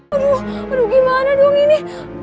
aduh aduh gimana dong ini